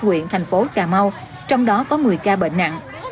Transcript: nguyện thành phố cà mau trong đó có một mươi ca bệnh nặng